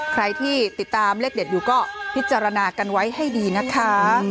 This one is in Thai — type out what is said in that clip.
ใครที่ติดตามเลขเด็ดอยู่ก็พิจารณากันไว้ให้ดีนะคะ